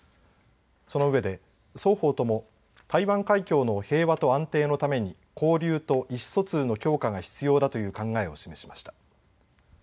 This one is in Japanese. そのうえで双方とも台湾海峡の平和と安定のために交流と意思疎通の強化が必要だという考えを示しました。